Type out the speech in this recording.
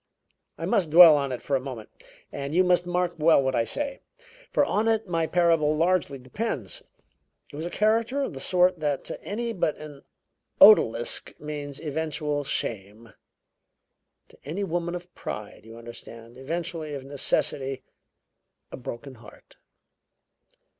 I must dwell on it for a moment, and you must mark well what I say, for on it my parable largely depends. It was a character of the sort that to any but an odalisk means eventual shame; to any woman of pride, you understand, eventually of necessity a broken heart.